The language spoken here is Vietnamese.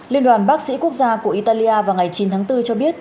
liên đoàn bác sĩ quốc gia của italia vào ngày chín tháng bốn cho biết